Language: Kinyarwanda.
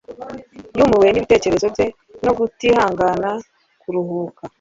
Yumiwe nibitekerezo bye no kutihangana kuruhuka